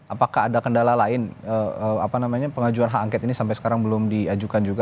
apakah ada kendala lain pengajuan hak angket ini sampai sekarang belum diajukan juga